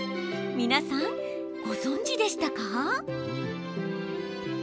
皆さん、ご存じでしたか？